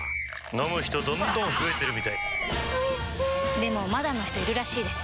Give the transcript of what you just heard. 飲む人どんどん増えてるみたいおいしでもまだの人いるらしいですよ